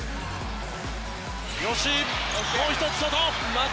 吉井、もう１つ外。